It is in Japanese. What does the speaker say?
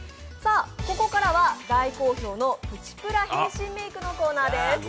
ここからは大好評のプチプラ変身メークのコーナーです。